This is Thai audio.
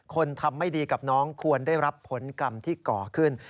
คนทำไม่ดีกับน้องควรได้รับผลกรรมที่ก่อขึ้น